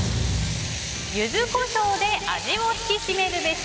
ユズコショウで味をひきしめるべし。